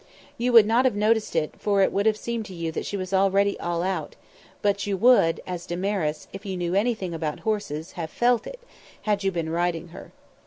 You would not have noticed it, for it would have seemed to you that she was already all out; but you would as did Damaris if you knew anything about horses, have felt it, had you been riding her.